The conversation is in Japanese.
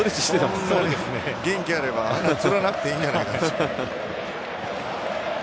こんなに元気があればつらなくていいんじゃないか。